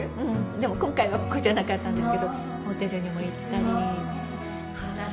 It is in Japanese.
でも今回はここじゃなかったんですけどホテルにも行ったり。